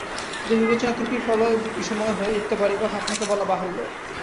কিন্তু বিবেচনার ত্রুটির ফলও বিষময় হয়ে উঠতে পারে এ কথা আপনাকে বলা বাহুল্য।